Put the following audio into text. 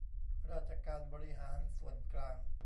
ราชการบริหารส่วนกลาง